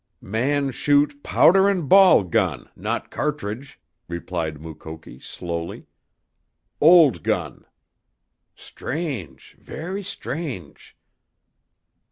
"Man shoot powder and ball gun, not cartridge," replied Mukoki slowly. "Old gun. Strange; ver' strange!"